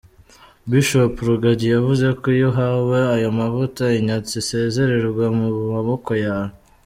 Bishop Rugagi yavuze ko “Iyo uhawe ayo mavuta inyatsi isezererwa mu maboko yawe.